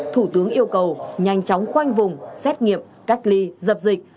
thủ tướng yêu cầu nhanh chóng khoanh vùng xét nghiệm cách ly dập dịch